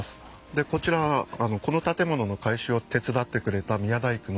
でこちらはこの建物の改修を手伝ってくれた宮大工の。